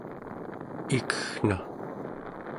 ikeggna